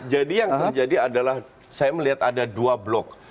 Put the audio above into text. jadi yang terjadi adalah saya melihat ada dua blok